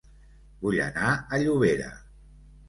Vull anar a Llobera